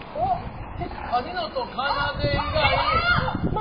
ニノとかなで以外。